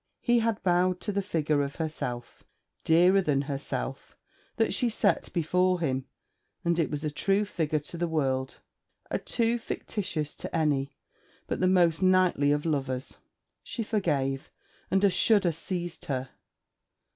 He had bowed to the figure of herself, dearer than herself, that she set before him: and it was a true figure to the world; a too fictitious to any but the most knightly of lovers. She forgave; and a shudder seized her.